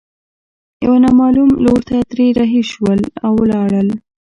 يوه نامعلوم لور ته ترې رهي شول او ولاړل.